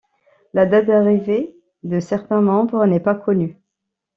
La date d'arrivée de certains membres n'est pas connue.